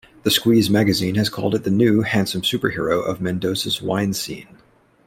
The Squeeze Magazine has called it 'the new, handsome superhero of Mendoza's wine scene'.